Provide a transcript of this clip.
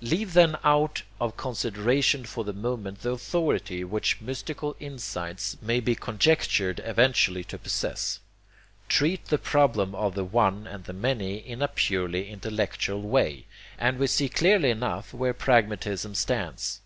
Leave then out of consideration for the moment the authority which mystical insights may be conjectured eventually to possess; treat the problem of the One and the Many in a purely intellectual way; and we see clearly enough where pragmatism stands.